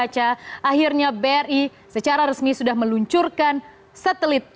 di situ akhirnya bri secara resmi sudah meluncurkan satelit